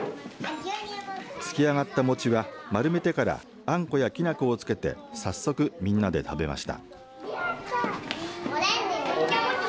つきあがった餅は丸めてからあんこやきなこをつけて早速、みんなで食べました。